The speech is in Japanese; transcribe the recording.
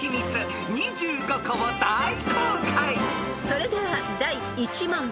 ［それでは第１問］